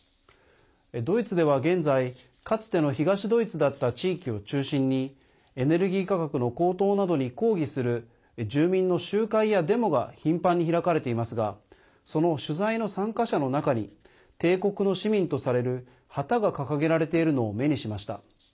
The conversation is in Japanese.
ドイツでは現在、かつての東ドイツだった地域を中心にエネルギー価格の高騰などに抗議する住民の集会やデモが頻繁に開かれていますがその取材の参加者の中に帝国の市民とされる旗が掲げられているのを目にしました。